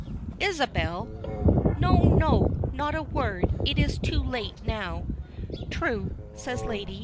"Isabel!" "No, no! Not a word. It is too late now." "True," says Lady.